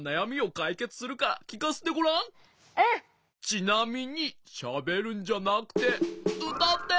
ちなみにしゃべるんじゃなくてうたって。